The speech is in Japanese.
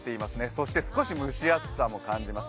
そして少し蒸し暑さも感じます。